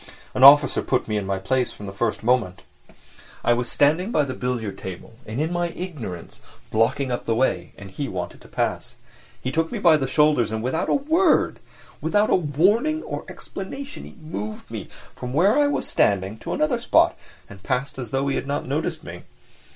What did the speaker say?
An officer put me in my place from the first moment. I was standing by the billiard table and in my ignorance blocking up the way, and he wanted to pass; he took me by the shoulders and without a word—without a warning or explanation—moved me from where I was standing to another spot and passed by as though he had not noticed me.